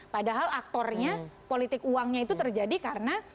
padahal aktornya politik uangnya itu terjadi karena